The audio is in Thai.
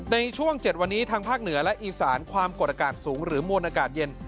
ในช่วง๗วันนี้ทางภาคเหนือและอีสานความกดอากาศสูงหรือมวลอากาศเย็น